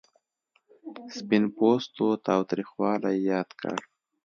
سپین پوستو تاوتریخوالی یاد کړ.